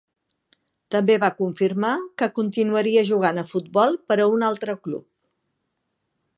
També va confirmar que continuaria jugant a futbol per a un altre club.